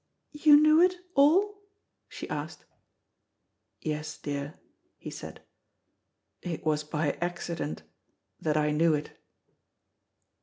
"You knew it all?" she asked. "Yes, dear," he said; "it was by accident that I knew it."